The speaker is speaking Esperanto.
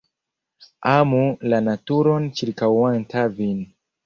Amu la naturon ĉirkaŭanta vin.